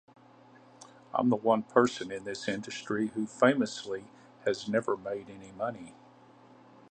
I'm the one person in this industry who famously has never made any money.